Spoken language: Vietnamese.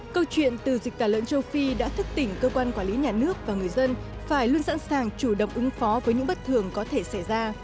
câu chuyện từ dịch tả lợn châu phi đã thức tỉnh cơ quan quản lý nhà nước và người dân phải luôn sẵn sàng chủ động ứng phó với những bất thường có thể xảy ra